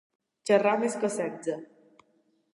Xerrar més que setze.